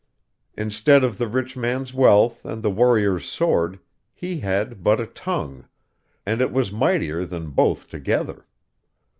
Instead of the rich man's wealth and the warrior's sword, he had but a tongue, and it was mightier than both together.